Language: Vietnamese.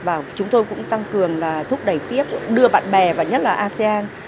và chúng tôi cũng tăng cường là thúc đẩy tiếp đưa bạn bè và nhất là asean